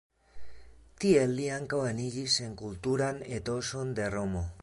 Tiel li ankaŭ eniĝis en kulturan etoson de Romo.